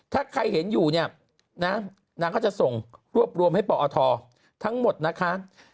ถ้าใครเห็นอยู่เนี่ยนะนางก็จะส่งรวบรวมให้ปอททั้งหมดนะคะ